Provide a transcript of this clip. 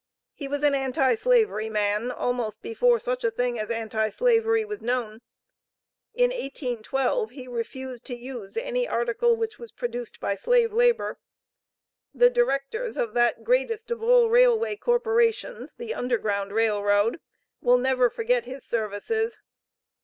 He was an anti slavery man, almost before such a thing as anti slavery was known. In 1812 he refused to use any article which was produced by slave labor. The directors of that greatest of all railway corporations, the Underground Rail Road, will never forget his services.